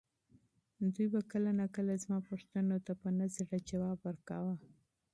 دوی به کله ناکله زما پوښتنو ته په نه زړه ځواب ورکاوه.